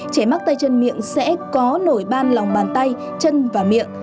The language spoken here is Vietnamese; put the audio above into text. trẻ mắc tay chân miệng sẽ có nổi ban lòng bàn tay chân và miệng